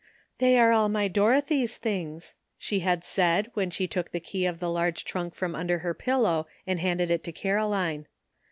"They are all my Dorothy's things," she had said, when she took the key of the large trunk from under her pillow and handed it to Caroline.